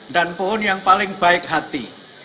dan pohon yang paling baik hati